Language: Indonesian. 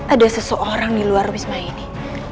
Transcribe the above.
ada seseorang di luar wisma ini